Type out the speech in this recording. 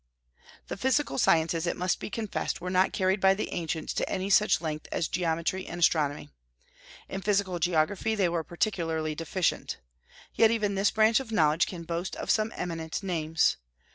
The physical sciences, it must be confessed, were not carried by the ancients to any such length as geometry and astronomy. In physical geography they were particularly deficient. Yet even this branch of knowledge can boast of some eminent names.